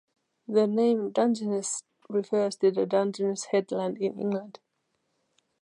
The name "Dungeness" refers to the Dungeness headland in England.